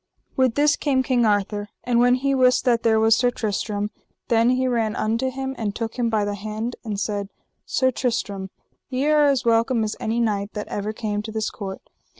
With this came King Arthur, and when he wist that there was Sir Tristram, then he ran unto him and took him by the hand and said: Sir Tristram, ye are as welcome as any knight that ever came to this court.